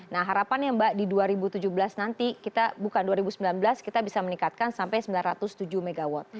nah harapannya mbak di dua ribu tujuh belas nanti kita bukan dua ribu sembilan belas kita bisa meningkatkan sampai sembilan ratus tujuh mw